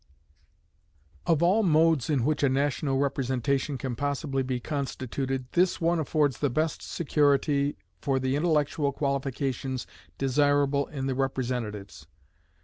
Of all modes in which a national representation can possibly be constituted, this one affords the best security for the intellectual qualifications desirable in the representatives.